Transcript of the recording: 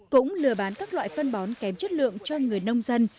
cũng lừa bán các loại phân bón kém chất lượng cho người nông dân